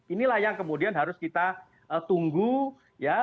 inilah yang kemudian harus kita tunggu ya